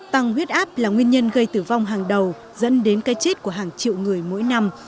tăng huyết áp là nguyên nhân gây tử vong hàng đầu dẫn đến cái chết của hàng triệu người mỗi năm